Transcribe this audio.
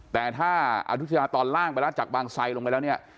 แต่ถ้าอนุชาตอนล่างไปแล้วจากบางไซลงไปแล้วเนี่ย